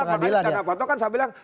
karena di jendapanto kan saya bilang